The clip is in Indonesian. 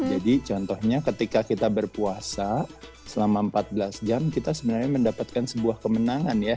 jadi contohnya ketika kita berpuasa selama empat belas jam kita sebenarnya mendapatkan sebuah kemenangan ya